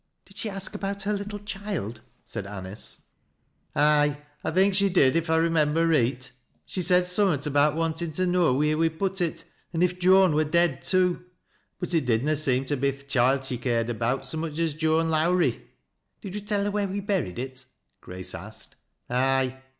" Did she ask about her little child ?" said Anice. " Ay, I think she did, if I remember reot. She said summat about wantin' to know wheer we'd put it, an' if Joan wur dead, too. But it did na seem to be th' choild she cai ed about so much as Joan Lowrie." " Did you tell her where we buried it ?'"' Grace asked. "Ay."